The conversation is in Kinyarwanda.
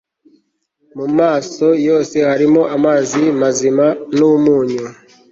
Mu maso yose harimo amazi mazima numunyu